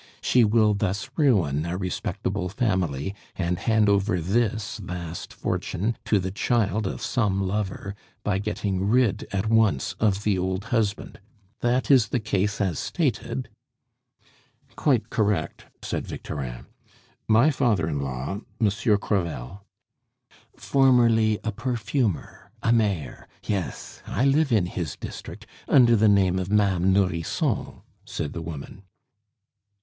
She will thus ruin a respectable family, and hand over this vast fortune to the child of some lover by getting rid at once of the old husband. That is the case as stated." "Quite correct," said Victorin. "My father in law, Monsieur Crevel " "Formerly a perfumer, a mayor yes, I live in his district under the name of Ma'ame Nourrisson," said the woman.